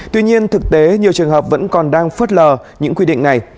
tuy nhiên thực tế nhiều trường hợp vẫn còn đang phớt lờ những quy định này